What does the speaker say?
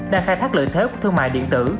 đang khai thác lợi thế của thương mại điện tử